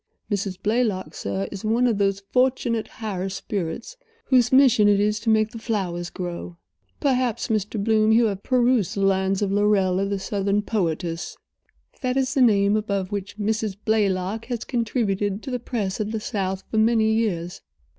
Mrs. Blaylock, sir, is one of those fortunate higher spirits whose mission it is to make the flowers grow. Perhaps, Mr. Bloom, you have perused the lines of Lorella, the Southern poetess. That is the name above which Mrs. Blaylock has contributed to the press of the South for many years."